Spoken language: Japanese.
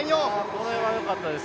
これはよかったです。